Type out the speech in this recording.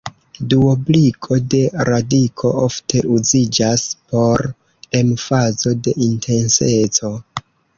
Duobligo de radiko ofte uziĝas por emfazo de intenseco.